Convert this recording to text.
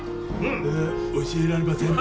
え教えられません。